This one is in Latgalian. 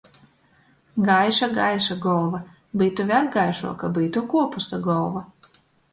Gaiša, gaiša golva – byutu vēļ gaišuoka, byutu kuopusta golva.